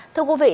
thưa quý vị